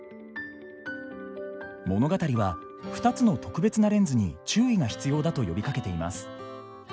物語は２つの特別なレンズに注意が必要だと呼びかけています。